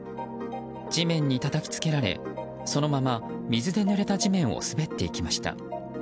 地面にたたきつけられそのまま水でぬれた地面を滑っていきました。